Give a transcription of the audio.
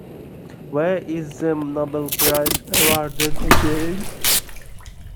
Where is the Nobel Prize awarded again?